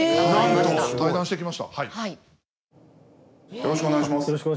よろしくお願いします。